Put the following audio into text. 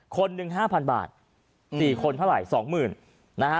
คนหนึ่งห้าพันบาทสี่คนเท่าไรสองหมื่นนะฮะ